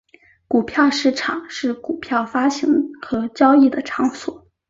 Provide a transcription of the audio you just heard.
股票市场是股票发行和交易的场所。